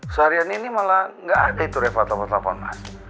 seharian ini malah gak ada itu reva telpon telpon mas